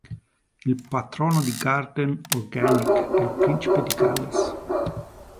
Il patrono di Garden Organic è Il Principe di Galles.